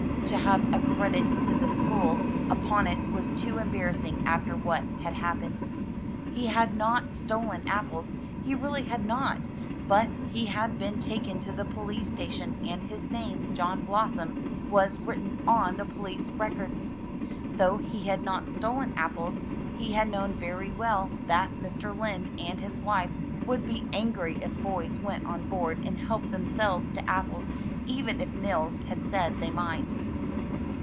To have A credit to the school" upon it was too embarrassing after what had happened. He had not stolen apples, he really had not; but he had been taken to the police station and his name, John Blossom, was written on the police records. Though he had not stolen apples, he had known very well that Mr. Lind and his wife would be angry if boys went on board and helped themselves to apples, even if Nils had said they might.